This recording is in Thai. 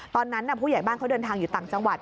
ตอนนั้นผู้ใหญ่บ้านเขาเดินทางอยู่ต่างจังหวัด